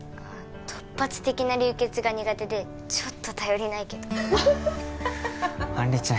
突発的な流血が苦手でちょっと頼りないけど杏里ちゃん